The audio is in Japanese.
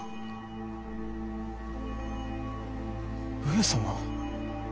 上様！